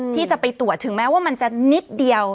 ที่จะไปตรวจถึงแม้ว่ามันจะนิดเดียว